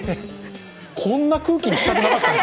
こんな空気にしたくなかったんです。